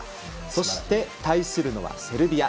そして対するのはセルビア。